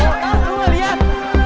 gue gak liat